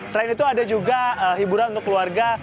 selain itu ada juga hiburan untuk keluarga